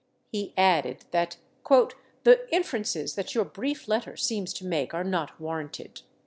He added that "the inferences that your brief letter seems to make are not warranted."